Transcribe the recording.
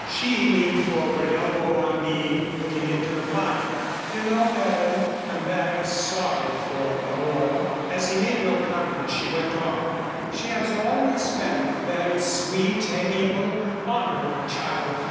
She leaned forward, elbow on knee, looking into the fire. "You know, Baron, I'm very sorry for Aurora." As he made no comment she went on: "She has always been a very sweet, amiable, honorable child.